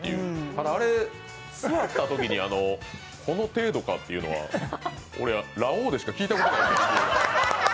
ただあれ、座ったときにこの程度かっていうのは俺、ラオウでしか聞いたことない。